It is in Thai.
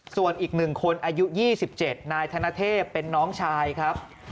ส่วนอีก๑คนอายุ๒๗นายธนเทพเป็นน้องชายครับ